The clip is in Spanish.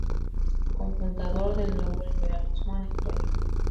Cofundador del Nuevo Liberalismo en el Tolima.